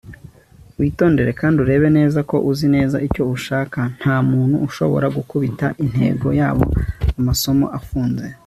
witondere kandi urebe neza ko uzi neza icyo ushaka nta muntu ushobora gukubita intego yabo amaso afunze